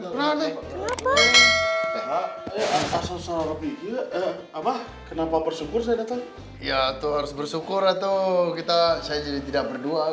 kenapa bersyukur saya datang ya tuh harus bersyukur atau kita saya jadi tidak berdua